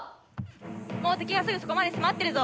もう敵はすぐそこまで迫ってるぞ。